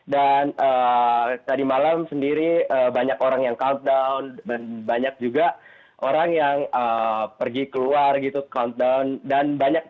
dan tadi malam sendiri banyak orang yang countdown dan banyak juga orang yang pergi keluar gitu countdown